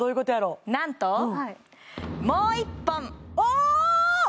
なんともう１本おおっ